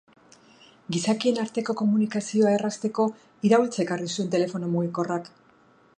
Gizakien arteko komunikazioa errazteko iraultza ekarri zuen telefono mugikorrak.